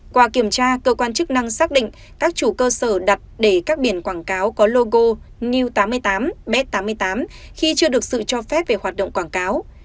qua kiểm tra cơ quan chức năng xác định các chủ cơ sở đặt để các biển quảng cáo có logo new tám mươi tám b tám mươi tám khi chưa được sự cho phép về hoạt động quảng cáo